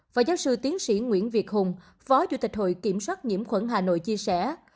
phó giáo sư tiến sĩ nguyễn việt hùng phó chủ tịch hội kiểm soát nhiễm khuẩn hà nội chia sẻ